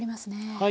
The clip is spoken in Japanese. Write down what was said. はい。